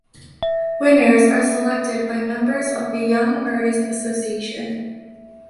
Winners are selected by members of the Young Artist Association.